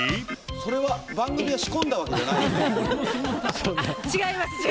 それは番組が仕込んだわけじゃないよね？